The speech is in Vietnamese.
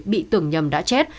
bị tưởng nhầm đã chết